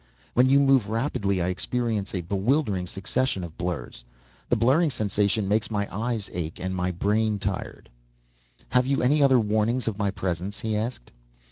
When you move rapidly, I experience a bewildering succession of blurs. The blurring sensation makes my eyes ache and my brain tired." "Have you any other warnings of my presence?" he asked.